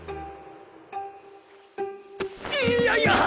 いやいや！